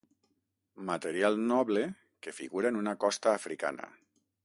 Material noble que figura en una Costa africana.